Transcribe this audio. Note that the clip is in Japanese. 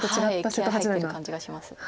気合い入ってる感じがします。